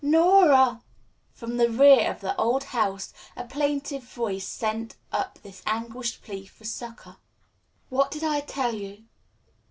"No ra!" From the rear of the old house a plaintive voice sent up this anguished plea for succor. "What did I tell you?"